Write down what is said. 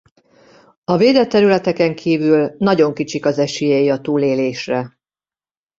A védett területeken kívül nagyon kicsik az esélyei a túlélésre.